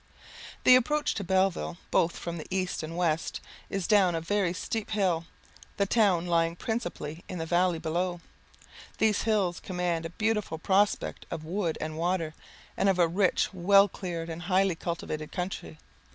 The approach to Belleville, both from the east and west, is down a very steep hill, the town lying principally in the valley below. These hills command a beautiful prospect of wood and water, and of a rich, well cleared, and highly cultivated country.